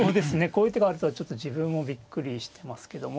こういう手があるとはちょっと自分もびっくりしてますけども。